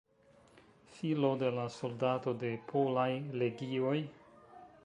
Filo de la soldato de Polaj Legioj.